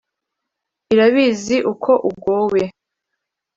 Irabizi uko ugowe